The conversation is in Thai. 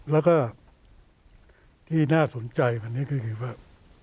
แล้วก็ที่น่าสนใจวันนี้ก็คือว่า